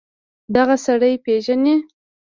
دغه سړى پېژنې.